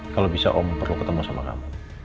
kalau bisa om perlu ketemu sama kamu